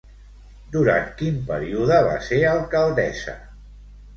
Durant quin període va ser alcaldessa?